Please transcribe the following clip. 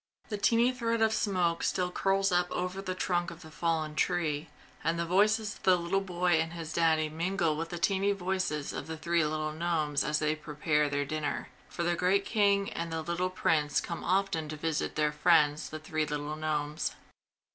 The tiny thread of smoke still curls up over the trunk of the fallen tree, and the voices of the little boy and his Daddy mingle with the tiny voices of the three little gnomes as they prepare their dinner; for the great King and the little Prince come often to visit their friends, the three little gnomes.